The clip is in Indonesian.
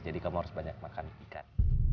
jadi kamu harus banyak makan ikan